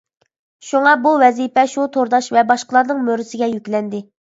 شۇڭا بۇ ۋەزىپە شۇ تورداش ۋە باشقىلارنىڭ مۈرىسىگە يۈكلەندى.